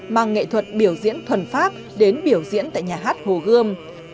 mang nghệ thuật biểu diễn thuần pháp đến biểu diễn tại nhà hát hồ gươm